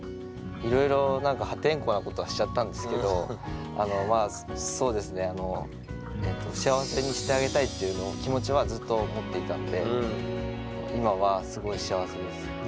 いろいろ何か破天荒なことはしちゃったんですけどまあそうですねていうのを気持ちはずっと思っていたんで今はすごい幸せです。